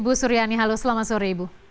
bu suryani halo selamat sore ibu